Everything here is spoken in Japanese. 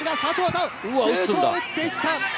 旺、シュートを打っていった。